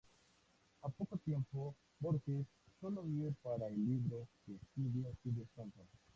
Al poco tiempo, Borges sólo vive para el libro, que estudia sin descanso.